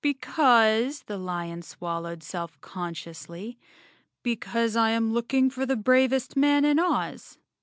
"Because," the lion swallowed self consciously, "be¬ cause I am looking for the bravest man in Oz."